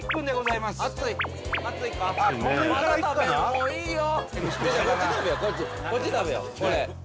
もういいよ。